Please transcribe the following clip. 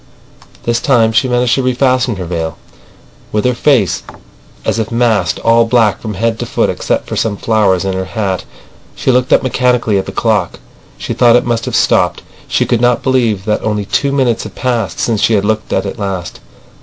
This time she managed to refasten her veil. With her face as if masked, all black from head to foot except for some flowers in her hat, she looked up mechanically at the clock. She thought it must have stopped. She could not believe that only two minutes had passed since she had looked at it last.